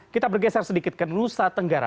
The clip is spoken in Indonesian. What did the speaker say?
kita bergeser sedikit ke nusa tenggara